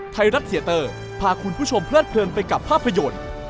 ไทยรัฐเสียเตอร์พาคุณผู้ชมเพลิดเพลินไปกับภาพยนตร์